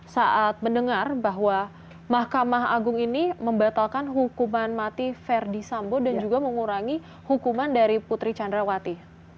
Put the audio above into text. saat mendengar bahwa mahkamah agung ini membatalkan hukuman mati verdi sambo dan juga mengurangi hukuman dari putri candrawati